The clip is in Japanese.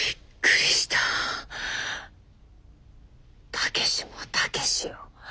武志も武志よ